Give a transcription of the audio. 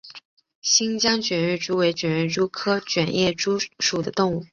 新疆卷叶蛛为卷叶蛛科卷叶蛛属的动物。